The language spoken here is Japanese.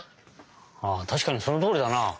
あったしかにそのとおりだな。